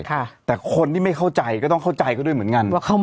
แต่คนที่ไม่เข้าใจก็ต้องเข้าใจเขาด้วยเหมือนกันว่าเข้ามา